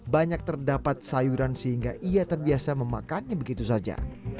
banyak terdapat sayuran sehingga ia terbiasa memakannya begitu saja